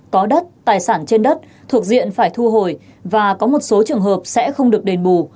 có đất tài sản trên đất thuộc diện phải thu hồi và có một số trường hợp sẽ không được đền bù